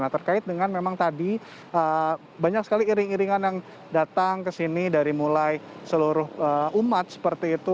nah terkait dengan memang tadi banyak sekali iring iringan yang datang ke sini dari mulai seluruh umat seperti itu